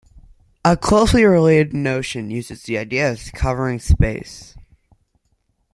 A closely related notion uses the idea of covering space.